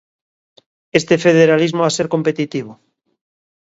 Este federalismo ha ser competitivo.